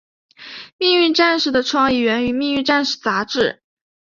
命运战士的创意源于命运战士杂志。